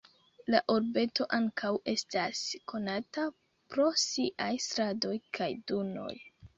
La urbeto ankaŭ estas konata pro siaj strandoj kaj dunoj.